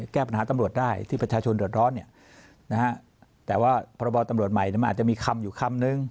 แก้ปัญหาตำรวจได้ที่ประชาชนเดือดร้อนเนี่ยนะฮะแต่ว่าพรบตำรวจใหม่มันอาจจะมีคำอยู่คำนึง